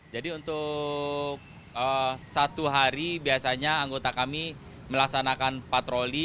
jadi untuk satu hari biasanya anggota kami melaksanakan patroli